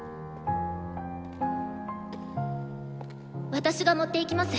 私が持っていきます。